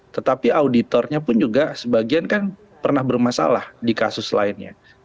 tetapi auditornya pun juga sebagian kan pernah bermasalah di kasus lainnya